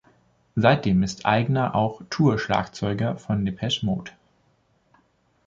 Seitdem ist Eigner auch Tour-Schlagzeuger von Depeche Mode.